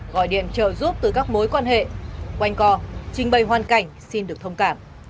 gọi điện trợ giúp từ các mối quan hệ quanh co trình bày hoàn cảnh xin được thông cảm